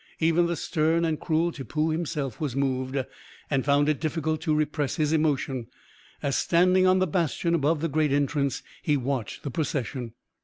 Even the stern and cruel Tippoo himself was moved, and found it difficult to repress his emotion as, standing on the bastion above the great entrance, he watched the procession.